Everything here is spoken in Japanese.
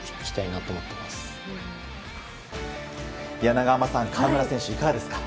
長濱さん河村選手いかがですか？